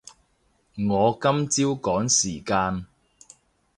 我今朝趕時間